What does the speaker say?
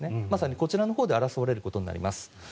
まさにこちらのほうで争われることになります。